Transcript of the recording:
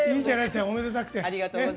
おめでたくて。